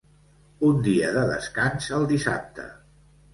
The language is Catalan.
Un dia de descans el dissabte.